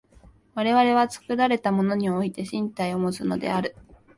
我々は作られたものにおいて身体をもつのである。